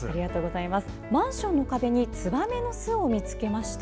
マンションの壁につばめの巣を見つけました。